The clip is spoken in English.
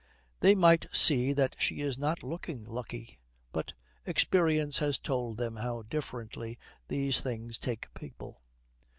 They might see that she is not looking lucky, but experience has told them how differently these things take people.